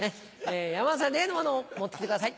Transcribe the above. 山田さん例のものを持ってきてください。